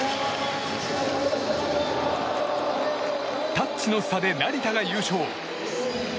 タッチの差で成田が優勝。